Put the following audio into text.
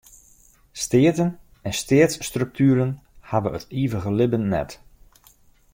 Steaten en steatsstruktueren hawwe it ivige libben net.